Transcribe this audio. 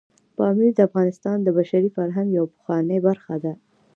پامیر د افغانستان د بشري فرهنګ یوه پخوانۍ برخه ده.